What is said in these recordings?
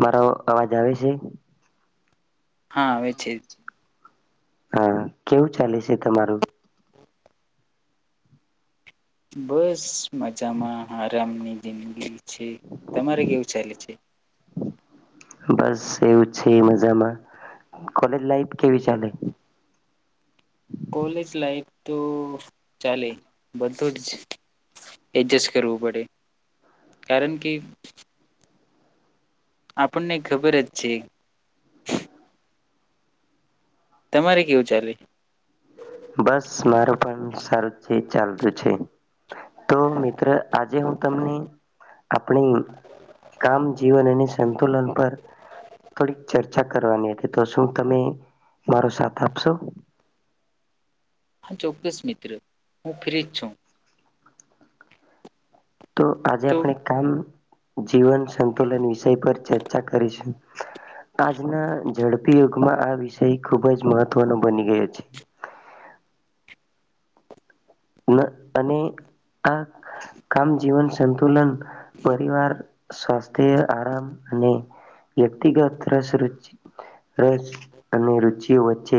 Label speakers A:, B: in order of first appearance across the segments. A: મારો અવાજ આવે છે?
B: હા આવે છે.
A: હા, કેવું ચાલે છે તમારું?
B: બસ મજામાં આરામની [unintelligible] છે. તમારે કેવું ચાલે છે?
A: બસ એવું છે. મજામાં કોલેજ લાઈફ કેવી ચાલે?
B: કોલેજ લાઈફ તો ચાલે. બધું જ એડજસ્ટ કરવું પડે. કારણ કે આપડને ખબર જ છે. તમારે કેવું ચાલે?
A: બસ, મારો પણ સારું જ છે. ચાલતું છે. તો મિત્ર આજે હું તમને આપણી કામ, જીવન અને સંતુલન પર થોડીક ચર્ચા કરવાની હતી. તો શું તમે મારો સાથ આપશો?
B: હા, ચોક્કસ મિત્ર હું ફ્રી જ છું.
A: તો આજે
B: તો
A: આપણે કામ જીવન સંતુલન વિષય પર ચર્ચા ચા કરીશું. આજના ઝડપી યુ માં આ વિષય ખૂબ જ મહત્વનો બની ગયો છે. અન અને આ કામ જીવન સંતુલન, પરિવાર, સ્વાસ્થ્ય, આરામ અને વ્યક્તિગત રસ ર રસ અને રુચિઓ વચ્ચે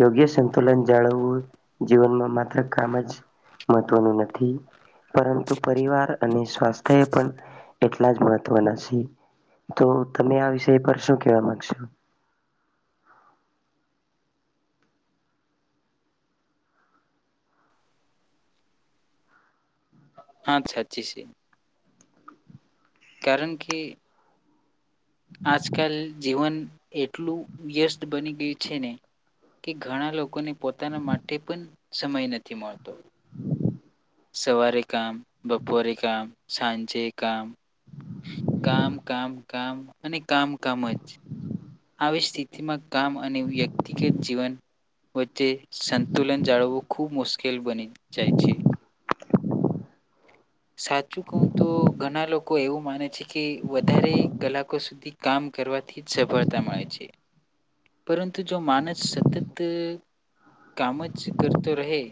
A: યોગ્ય સંતુલન જાળવવું જીવનમાં માત્ર કામ જ મહત્વનું નથી. પરંતુ પરિવાર અને સ્વાસ્થ્ય પણ એટલા જ મહત્વના છે. તો તમે આ વિષય પર શું કેવા માંગશો.
B: હા છાચી છે. કારણ કે આજકાલ જીવન એટલું વ્યસ્ત બની ગયું છે. ને કે ઘણા લોકોને પોતાના માટે પણ સમય નથી મળતો. સવારે કામ, બપોરે કામ, સાંજે કામ, કામ કામ કામ અને કામ કામ જ આવી સ્થિતિમાં કામ અને વ્યક્તિગત જીવન વ ચ્ચે સંતુલન જાળવું ખૂબ મુશ્કેલ બની જાય છે. સાચું કઉ તો ઘણા લોકો એવું માને છે કે વધારે કલાકો સુધી કામ કરવાથી જ સફળતા મળે છે. પરંતુ જો માણસ સતત કામ જ કરતો રહે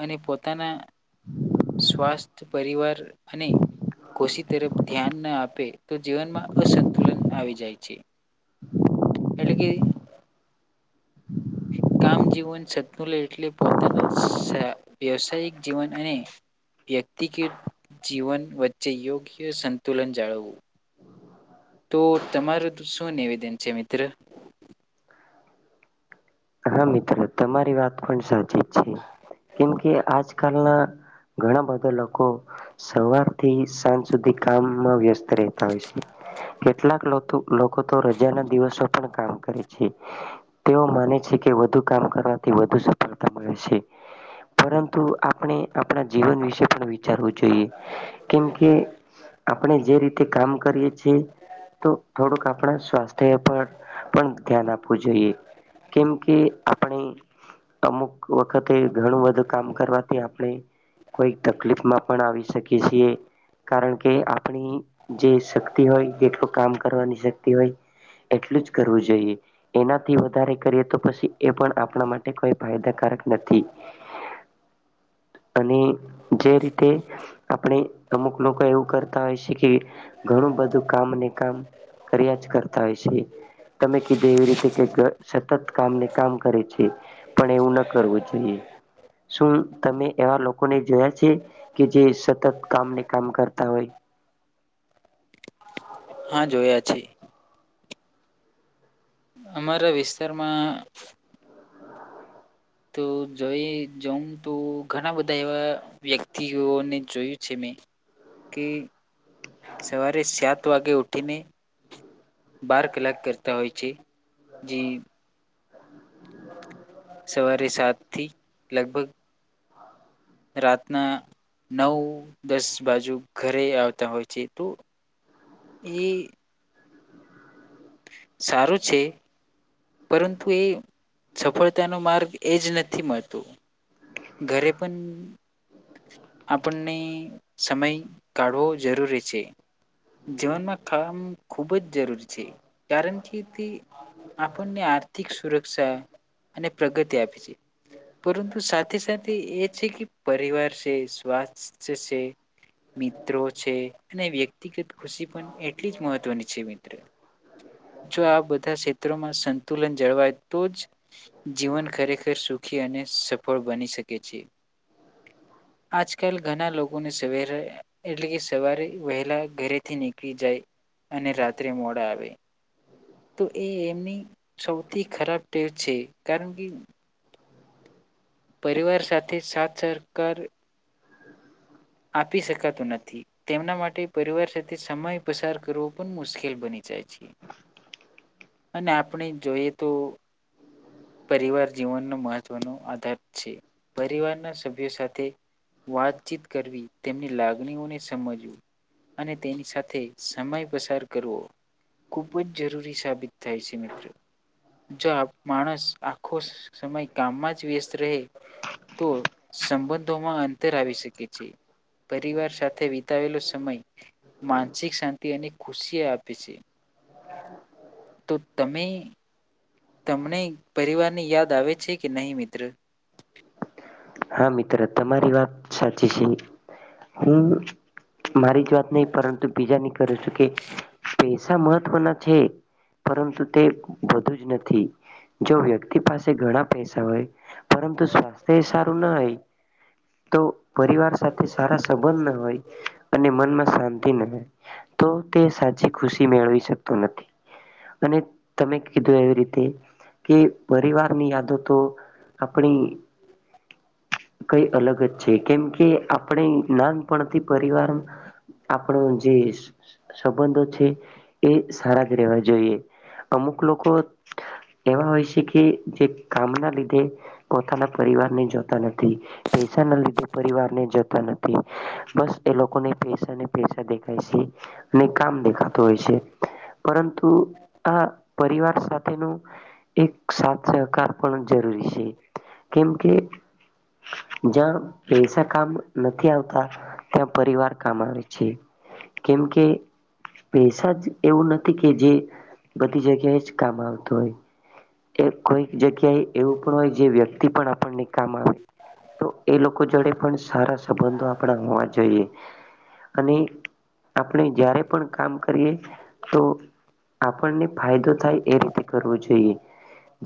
B: અને પોતાના સ્વાસ્થ્ય, પરિવાર અને ખુશી તરફ ધ્યાન ના આપે તો જીવનમાં અસંતુલન આવી જાય છે. એટલે કે કામ જીવન સતુલ એટલે પોતાના સા વ્યવસાયિક જીવન અને વ્યક્તિગત જીવન વચ્ચે યોગ્ય સંતુલન જાળવવું. તો તમારું શું નિવેદન છે મિત્ર?
A: હા મિત્ર તમારી વાત પણ સા ચી છે. કેમ કે આજ આજકાલના ઘણા બધા લોકો સવારથી સાંજ સુધી કામમાં વ્યસ્ત રહેતા હોય છે. કેટલાક લોથુ લોકો તો રજાના દિવસો પણ કામ કરે છે. તેઓ માને છે કે વધુ કામ કરવાથી વધુ સફળતા મળે છે. પરંતુ આપણે આપણા જીવન વિશે પણ વિચારવું જોઈએ. કેમ કે આપણે જે રીતે કામ કરીએ છીએ તો થોડુંક આપણા સ્વાસ્થ્ય પર પણ ધ્યાન આપવું જોઈએ કેમ કે આપણે અમુક વખતે ઘણું બધું કામ કરવાથી આપણે કોઈ તકલીફમાં પણ આવી શકીએ છીએ કારણ કે આપણી જે શક્તિ હોય કેટલું કામ કરવાની શક્તિ હોય એટલું જ કરવું જોઈએ એનાથી વધારે કરી પ એ પણ આપણા માટે કોઈ ફાયદાકારક નથી અને જે રીતે આપણે અમુક લોકો એવું કરતા હોય છે કે ઘણું બધું કામને કામ કર્યા જ કરતા હોય છે તમે કીધું એવી રીતે કે સતત કામને કામ કરે છે પણ એવું ન કરવું જોઈએ શું તમે એવા લોકોને જોયા છે કે જે સતત કામને કામ કરતા હોય
B: હા જોયા છી અમારા વિસ્તારમાં તો જોઈ જઉં તો ઘણા બધા એવા વ્યક્તિઓને જોયું છે મેં કે સવારે સાત વાગે ઉઠીને બાર કલાક કરતા હોય છે જે સવારે સાત થી લગભગ રાતના નવ દસ બાજુ ઘરે આવતા હોય છે તો એ સારું છે પરંતુ એ સફળતાનો માર્ગ એ જ નથી મળતો ઘરે પણ આપણને સમય કાઢવો જરૂરી છે જીવનમાં કામ ખૂબ જ જરૂરી છે કારણ કે તે આપણને આર્થિક સુરક્ષા અને પ્રગતિ આપે છે પરંતુ સાથે સાથે એ છે કે પરિવાર છે સ્વાસ્થ્ય છે મિત્રો છે અને વ્યક્તિગત ખુશી પણ એટલી જ મહત્વની છે મિત્રો જો આ બધા ક્ષેત્રોમાં સંતુલન જળવાય તો જ જીવન ખરેખર સુખી અને સફળ બની શકે છે આજકાલ ઘણા લોકોને સરે એટલે કે સવારે વહેલા ઘરેથી નીકળી જાય અને રાત્રે મોડા આવે તો એ એમની સૌથી ખરાબ ટેવ છે કારણ કે પરિવાર સાથે સાથ સરહકાર આપી શકાતું નથી તેમના માટે પરિવાર સાથે સમય પસાર કરવો પણ મુશ્કેલ બની જાય છે અને આપણે જોઈએ તો પરિવાર જીવનનો મહત્વનો આધાર છે પરિવારના સભ્યો સાથે વાતચીત કરવી તેમની લાગણીઓને સમજવીું અને તેની સાથે સમય પસાર કરવો ખૂબ જ જરૂરી સાબિત થાય છે મિત્રો જો માણસ આખો સમય કામમાં જ વ્યસ્ત રહે તો સંબંધોમાં અંતર આવી શકે છે પરિવાર સાથે વિતાવેલો સમય માનસિક શાંતિ અને ખુશી આપે છે તો તમે તમને પરિવારની યાદ આવે છે કે નહી મિત્ર
A: હા મિત્ર તમારી વાત સાચી છે હું મારી જ વાત નહી પરંતુ બીજાની કરું છું કે પૈસા મહત્વના છે પરંતુ તે બધું જ નથી જો વ્યક્તિ પાસે ઘણા પૈસા હોય પરંતુ સ્વાસ્થ્યબ હો તો પરિવાર સાથે સારા સંબંધ ના હોય અને મનમાં શાંતિ ના હોય તો તે સાચી ખુશી મેળવી શકતો નથી અને તમે કીધું એવી રીતે કે પરિવાર ની યાદો તો આપણી કઈ અલગ જ છે કેમ કે આપણે નાનપણથી પરિવાર આપણો જે સંબંધો છે એ સારા જ રહેેવા જોઈએ અમુક લોકો એવા હોય છે કે જે કામના લીધે પોતાના પરિવારને જો પ ના લીધે પરિવારને જતા નથી બસ એ લોકોને પૈસાને પૈસા દેખાય છે અને કામ દેખાતું હોય છે પરંતુ આ પરિવાર સાથેનો એક સાથ સહકાર પણ જરૂરી છે કેમ કે જ્યાં પૈસા કામ નથી આવતા ત્યાં પરિવાર કામ આવે છે કેમ કે પૈસા જ એવું નથી કે જે બધી જગ્યાએ જ કામ આવતું હોય એ કોઈક જગ્યાએ એવું પણ હોય જે વ્યક્તિ પણ આપણને કામ આવે તો એ લોકો જોડે પણ સારા સંબંધો આપણા હોવા જોઈએ અને આપણે જયારે પણ કામ કરીએ તો આપણને ફાયદો થાય એ રીતે કરવો જોઈએ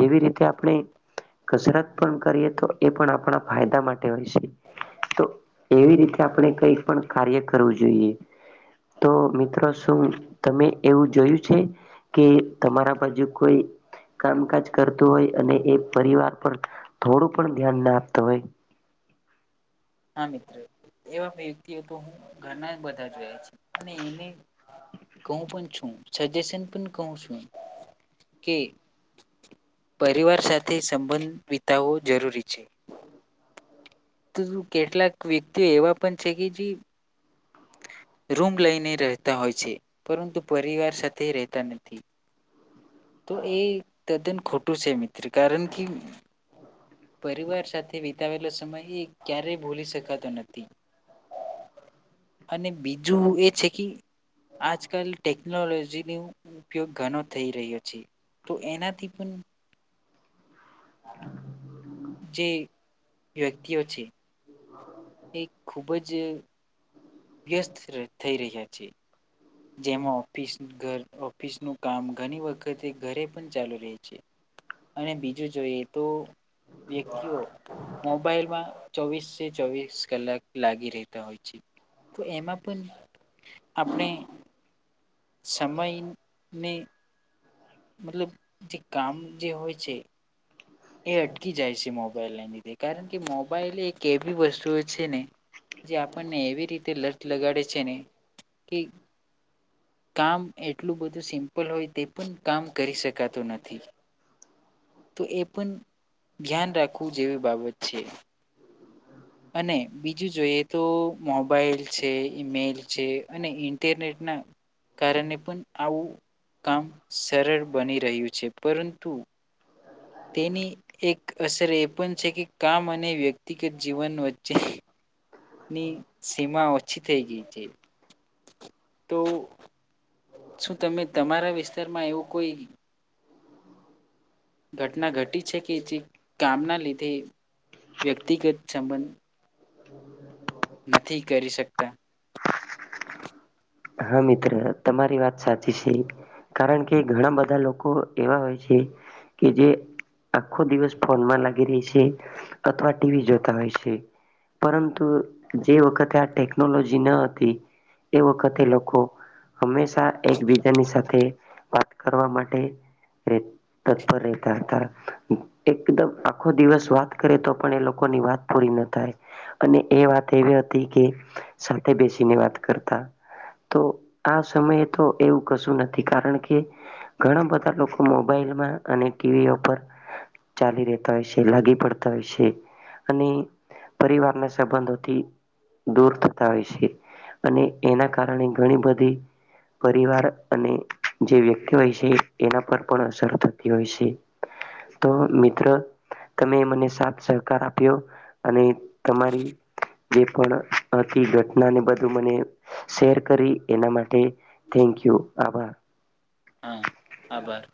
A: જેવી રીતે આપણે કસરત પણ કરીએ તો એ પણ આપણા ફાયદા માટે હોય છે તો એવી રીતે આપણે કઈ પણ કાર્ય કરવું જોઈએ તો મિત્રો શું તમે એવું જોયું છે કે તમારા બાજુ કોઈ કામકાજ કરતું હોય અને એ પરિવાર પણ થોડું પણ ધ્યાન ના આપતો હોય
B: હા મિત એવા વ્યક્તિઓ તો હું ઘરના બધા જ રહયા છ અને એને કહું પણ છું સજેશન પણ કહું છું કે પરિવાર સાથે સંબંધ વિતાવવો જરૂરી છે તો કેટલાક વ્યક્તિઓ એવા પણ છે કે જે રૂમ લઈને રહેતા હોય છે પરંતુ પરિવાર સાથે રહેતા નથી તો એ તે દન ખટ છે મિત્ર કારણ કે પરિવાર સાથે વિતાવેલો સમય એ ક્યારેય ભૂલી શકાતો નથી અને બીજું એ છે કે આજકાલ ટેકનોલોજીનો ઉપયોગ ઘણો થઈ રહ્યો છે તો એનાથી પણ [inaudible] જે વ્યક્તિ અ છે એ ખૂબ જ વ્યસ્ત થઈ રહ્યા છે જેમાં ઓફિસ ઘર ઓફિસનુંું કામ ઘણી વખતે ઘરે પણ ચાલુ રહે છે અને બીજું જોઈએ તો વ્યક્તિઓ મોબાઈલમાં ચોવીસ ચોવીસ કલાક લાગી રહેતા હોય છે તો એમાં પણ આપણે સમયની મતલબ જે કામ જે હોય છે એ અટકી જાય છે મોબાઈલને લીધે કારણ કે મોબાઈલ એક એવી વસ્તુ છે ને જે આપણને એવી રીતે લટ લગાડે છે ને કે કામ એટલું બધું સિમ્પલ હોય તે પણ કામ કરી શકાતું નથી તો એ પણ ધ્યાન રાખવું જેવી બાબત છે અને બીજું જોઈએ તો મોબાઈલ છે ઈમેલ છે અને ઇન્ટરનેટના કારણે પણ આવું કામ સરળ બની રહ્યું છે પરંતુ તેની એક અસર એ પણ છે કે કામ અને વ્યક્તિગત જીવન વચ્ચે ની સીમા ઓછી થઈ ગઈ છે તો શું તમે તમારા વિસ્તારમાં એવું કોઈ ઘટના ઘટી છે કે જે કામના લીધે વ્યક્તિગત સંબંધ નથી કરી શકતા
A: હા મિત્ર તમારી વાત સાચી છે કારણ કે ઘણા બધા લોકો એવા હોય છે કે જે આખો દિવસ ફોનમાં લાગી રહી છે અથવા ટીવી જોતા હોય છે પરંતુ જે વખતે આ ટેકનોલોજી ન હતી એ વખત હંમેશા એકબીજાની સાથે વાત કરવા માટે તત્પર રહેતા હતા એકદમ આખો દિવસ વાત કરે તો પણ એ લોકોની વાત પૂરી ના થાય અને એ વાત એવી હતી કે સાથે બેસીને વાત કરતા તો આ સમયે તો એવું કશું નથી કારણ કે ઘણા બધા લોકો મોબાઈલમાં અને ટીવી ઉપર ચાલી રહેતા હોય છે લાગી પડતા હોય છે અને પરિવારના સંબંધોથી દૂર થતા હોય છે અને એના કારણે ઘણી બધી પરિવાર અને જે વ્યક્તિ હોય છે એના પર પણ અસર થતી હોય છે તો મિત્ર તમે મને સાથ સહકાર આપ્યો અને તમારી જે પણ હતી ઘટનાને બધું મને શેર કરી એના માટે થેન્ક યુ આભા
B: હા આભાર